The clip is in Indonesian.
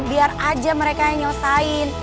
biar aja mereka yang nyelesain